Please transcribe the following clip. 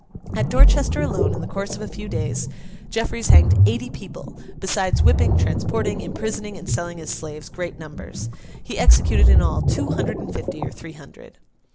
At Dorchester alone, in the course of a few days, Jeffreys hanged eighty people; besides whipping, transporting, imprisoning, and selling as slaves, great numbers. He executed, in all, two hundred and fifty, or three hundred.